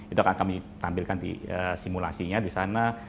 itu akan kami tampilkan di simulasinya di sana